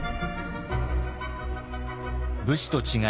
武士と違い